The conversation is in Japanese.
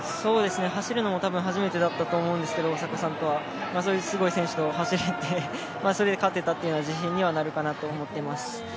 走るのも初めてだったと思うんですけど大迫さんとはすごい選手と走って勝てたのは自信になるかなと思っています。